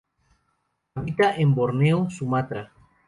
Habita en Borneo, Sumatra.